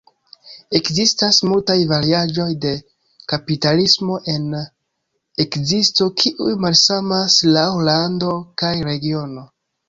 Ekzistas multaj variaĵoj de kapitalismo en ekzisto kiuj malsamas laŭ lando kaj regiono.